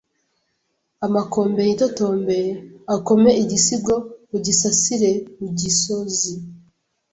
Amakombe yitotombe akome Igisigo ugisasire ugisozi